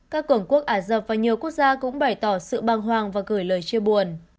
các cường quốc ả rập và nhiều quốc gia cũng bày tỏ sự băng hoàng và gửi lời chia buồn